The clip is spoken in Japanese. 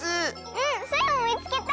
うんスイもみつけた！